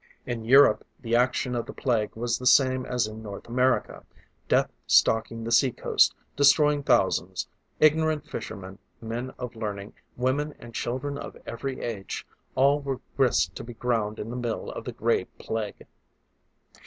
In Europe the action of the Plague was the same as in North America. Death stalking the sea coast, destroying thousands; ignorant fishermen, men of learning, women and children of every age all were grist to be ground in the mill of the Gray Plague.